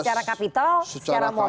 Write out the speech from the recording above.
secara kapital secara model